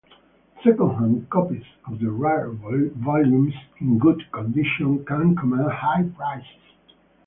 Second-hand copies of the rarer volumes, in good condition, can command high prices.